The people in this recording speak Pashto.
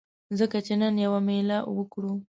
ځه چې نن یوه میله وکړو